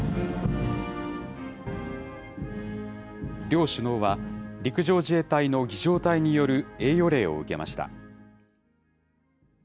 両首脳は、陸上自衛隊の儀じょう隊による栄誉礼を受けました。